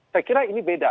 saya kira ini beda